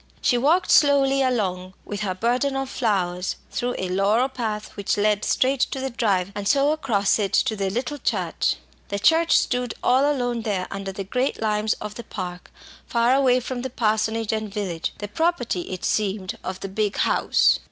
She walked slowly along, with her burden of flowers, through a laurel path which led straight to the drive, and so, across it, to the little church. The church stood all alone there under the great limes of the Park, far away from parsonage and village the property, it seemed, of the big house.